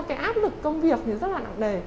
cái áp lực công việc rất là nặng nề